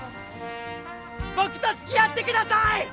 僕とつきあって下さい！